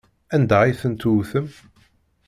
Anda ay tent-tewtem?